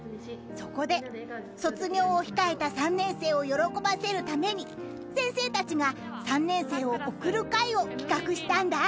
［そこで卒業を控えた３年生を喜ばせるために先生たちが３年生を送る会を企画したんだ］